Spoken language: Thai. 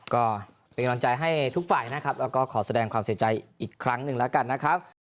ก็เป็นกำลังใจให้ทุกฝ่ายนะครับแล้วก็ขอแสดงความเสียใจอีกครั้งหนึ่งแล้วกันนะครับ